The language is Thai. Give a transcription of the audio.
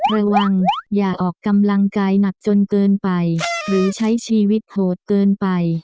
อย่าออกกำลังกายหนักจนเกินไปหรือใช้ชีวิตโหดเกินไป